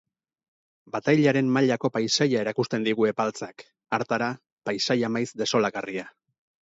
Batailaren baitako paisaia erakusten digu Epaltzak, hartara, paisaia maiz desolagarria.